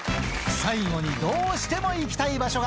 最後にどうしても行きたい場所が。